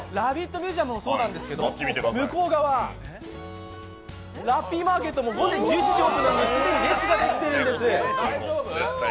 ミュージアムもそうなんですけど、向こう側、ラッピーマーケットも本日１０時オープンということで既に列ができているんです。